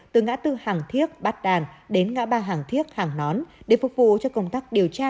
từ ngã tư hàng thiết bát đàn đến ngã ba hàng thiết hàng nón để phục vụ cho công tác điều tra